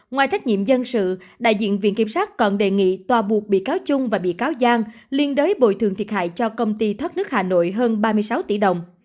ngoài trách nhiệm dân sự đại diện viện kiểm sát còn đề nghị tòa buộc bị cáo trung và bị cáo giang liên đới bồi thường thiệt hại cho công ty thoát nước hà nội hơn ba mươi sáu tỷ đồng